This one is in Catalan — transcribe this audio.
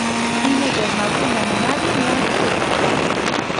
Dimecres na Bruna i na Nàdia aniran a Castellterçol.